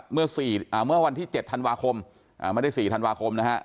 เมื่อสี่อ่าเมื่อวันที่เจ็ดธันวาคมอ่าไม่ได้สี่ธันวาคมนะฮะ